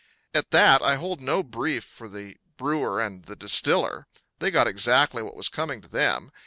At that, I hold no brief for the brewer and the distiller. They got exactly what was coming to them.